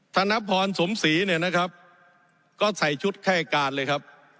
ธนพรสมศรีเนี่ยนะครับก็ใส่ชุดไข้การเลยครับ